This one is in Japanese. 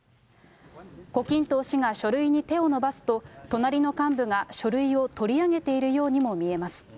胡錦涛氏が書類に手を伸ばすと、隣の幹部が書類を取り上げているようにも見えます。